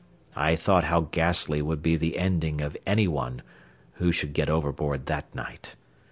I thought how ghastly would be the ending of any one who should get overboard that night.